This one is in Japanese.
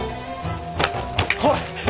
おい！